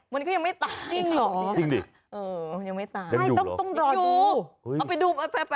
มันก็ยังไม่ตาย